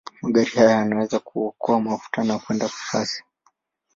Magari haya yanaweza kuokoa mafuta na kwenda kwa kasi.